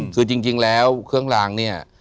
คือจริงแล้วเครื่องรางเนี่ย